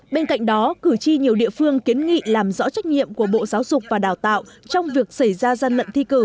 bên cạnh đó cử tri nhiều địa phương kiến nghị làm rõ trách nhiệm của bộ giáo dục và đào tạo trong việc xảy ra gian lận thi cử